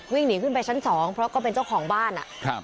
วิ่งหนีขึ้นไปชั้นสองเพราะก็เป็นเจ้าของบ้านอ่ะครับ